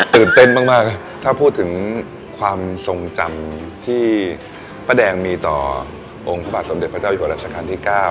ตื่นเต้นมากถ้าพูดถึงความทรงจำที่ป้าแดงมีต่อองค์พระบาทสมเด็จพระเจ้าอยู่หัวรัชกาลที่๙